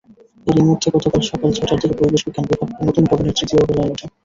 এরই মধ্যে গতকাল সকাল ছয়টার দিকে পরিবেশবিজ্ঞান বিভাগ নতুন ভবনের তৃতীয় তলায় ওঠে।